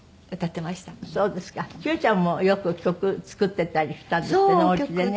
九ちゃんもよく曲作ってたりしたんですってねお家でね。